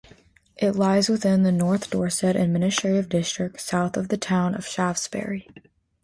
It lies within the North Dorset administrative district, south of the town of Shaftesbury.